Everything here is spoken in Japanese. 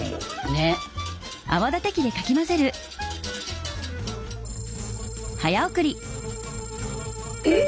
ねっ。えっ！